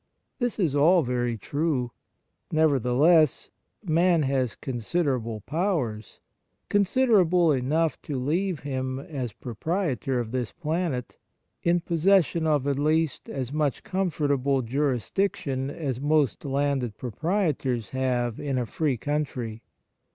This is all very true. Nevertheless, man has considerable powers, considerable enough to leave him, as pro prietor of this planet, in possession of at least as much comfortable jurisdiction as most landed proprietors have in a free country.